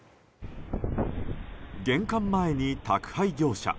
玄関前に宅配業者。